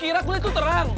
kira gua itu terang